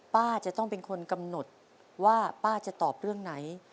ป้าจะต้องเป็นคนกำหนดว่าป้าจะตอบเรื่องไหน